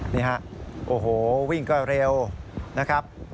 นี่ฮะโอ้โหวิ่งก็เร็วนะครับ